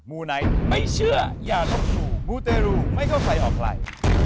ูไนท์ไม่เชื่ออย่าลบหลู่มูเตรูไม่เข้าใครออกใคร